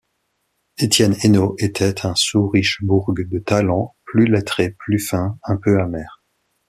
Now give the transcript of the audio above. Étienne Énault était un sous-Richebourg de talent, plus lettré, plus fin, un peu amer.